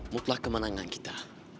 mutlah kemenangan kita